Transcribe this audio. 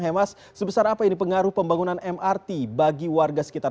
hemas sebesar apa ini pengaruh pembangunan mrt bagi warga sekitar